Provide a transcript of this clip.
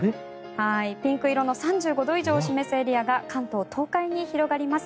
ピンク色の３５度以上を示すエリアが関東、東海に広がります。